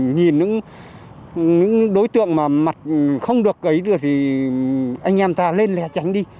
nhìn những đối tượng mà mặt không được ấy được thì anh em ta lên lè tránh đi